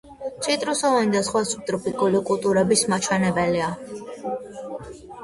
ციტრუსოვანი და სხვა სუბტროპიკული კულტურების მავნებელია.